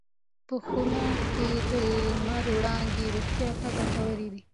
په خونه کې د لمر وړانګې روغتیا ته ګټورې دي.